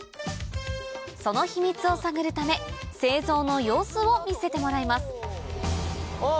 その秘密を探るため製造の様子を見せてもらいますあっ